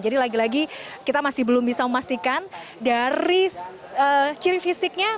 jadi lagi lagi kita masih belum bisa memastikan dari ciri fisiknya